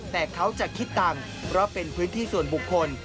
แต่เขาจะคิดตังค์เพราะเป็นพื้นที่ส่วนบุคคล